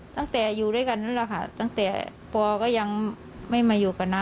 ตั้งแต่ที่อยู่ด้วยกันแล้วคะตั้งแต่พอก็ยังไม่มาอยู่กันนะ